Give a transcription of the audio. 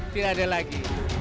tidak ada lagi